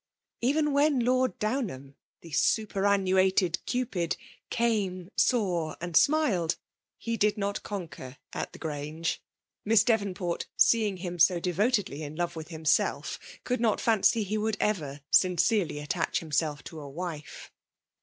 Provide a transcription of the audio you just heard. Even when Lord Downham, the superannuated Cupid^ '* came, saw/' and smiled, — ^he did not " con quer" at the Grange; Miss Devonport, seeing him so devotedly in love with himself could not fancy he would ever sincerely attach him self to a wife.